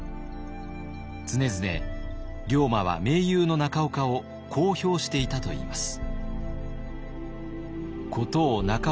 常々龍馬は盟友の中岡をこう評していたといいます。